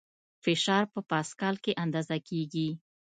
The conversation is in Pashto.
فشار په پاسکال کې اندازه کېږي.